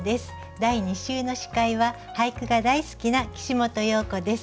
第２週の司会は俳句が大好きな岸本葉子です。